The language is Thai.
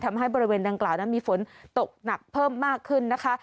บริเวณดังกล่าวนั้นมีฝนตกหนักเพิ่มมากขึ้นนะคะ